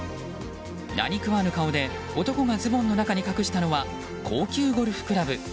何食わぬ顔で男がズボンの中に隠したのは高級ゴルフクラブ。